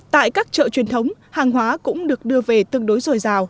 tại các chợ truyền thống hàng hóa cũng được bình ổn